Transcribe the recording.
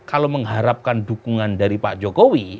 kalau mengharapkan dukungan dari pak jokowi